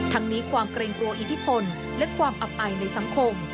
ทั้งนี้ความเกรงกลัวอิทธิพลและความอับอายในสังคม